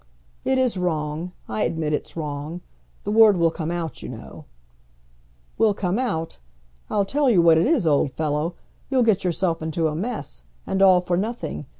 "It is wrong. I admit it's wrong. The word will come out, you know." "Will come out! I'll tell you what it is, old fellow, you'll get yourself into a mess, and all for nothing.